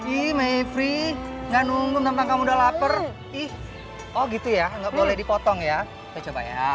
ii my free enggak nunggu nanti kamu udah lapar ih oh gitu ya enggak boleh dipotong ya coba ya